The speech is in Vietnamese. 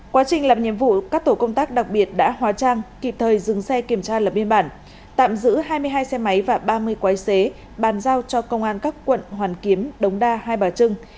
quá trình làm nhiệm vụ các tổ công tác đặc biệt đã hóa trang kịp thời dừng xe kiểm tra lập biên bản tạm giữ hai mươi hai xe máy và ba mươi quái xế bàn giao cho công an các quận hoàn kiếm đống đa hai bà trưng